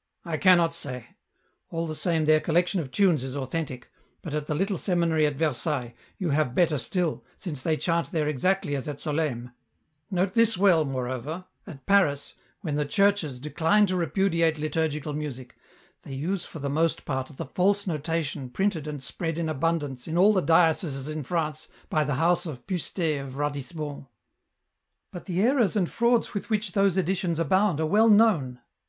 " I cannot say ; all the same their collection of tunes is authentic, but at the little seminary at Versailles, you have better still, since they chant there exactly as at Solesmes ; note this well, moreover, at Paris, when the churches decline to repudiate liturgical music, they use for the most part the false notation printed and spread in abundance in all the dioceses in France by the house of Pustet of Ratisbon." " But the errors and frauds with which those editions abound are well known."